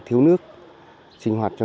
thiếu nước sinh hoạt